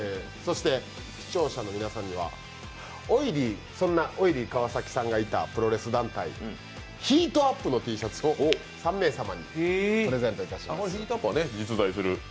視聴者の皆さんにはそんなオイリーカワサキさんがいたプロレス団体、ヒートアップのＴシャツを３名様にプレゼントいたします。